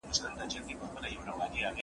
زه اجازه لرم چي سبا ته فکر وکړم!